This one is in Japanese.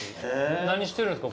何してるんですか？